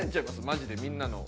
マジでみんなのを。